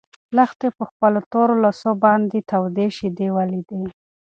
لښتې په خپلو تورو لاسو باندې تودې شيدې ولیدې.